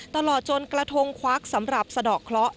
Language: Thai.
ตลอดจนกระทงควักสำหรับสะดอกเคราะห